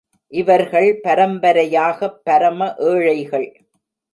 இவர்கள் பரம்பரையாகப் பரம ஏழைகள்.